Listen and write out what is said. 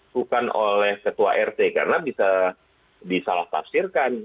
bukan oleh ketua rt karena bisa disalah tafsirkan